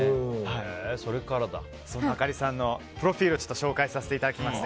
あかりさんのプロフィールをご紹介させていただきます。